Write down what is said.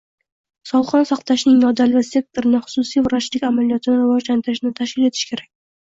Sog‘liqni saqlashning nodavlat sektorini, xususiy vrachlik amaliyotini rivojlantirishni tashkil etish kerak.